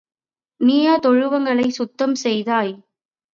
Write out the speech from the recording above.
நீயா தொழுவங்களைச் சுத்தம் செய்தாய்?